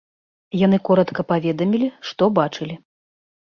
Яны коратка паведамілі, што бачылі.